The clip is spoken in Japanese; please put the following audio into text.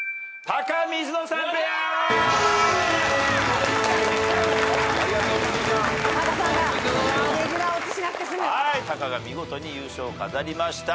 タカが見事に優勝を飾りました。